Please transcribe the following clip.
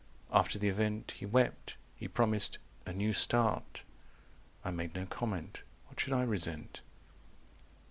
After the event He wept. He promised 'a new start.' I made no comment. What should I resent?"